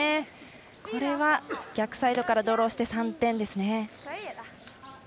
これは、逆サイドからドローして３点ですね。